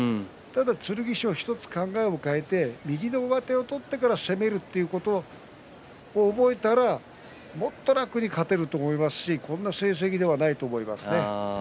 剣翔１つ考えを変えて右の上手を取ってから攻めるということを覚えたらもっと楽に勝てると思いますしこんな成績ではないと思いますね。